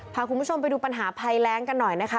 พาคุณผู้ชมไปดูปัญหาภัยแรงกันหน่อยนะคะ